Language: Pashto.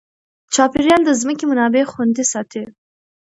چاپیریال د ځمکې منابع خوندي ساتي.